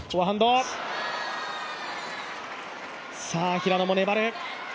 平野も粘る。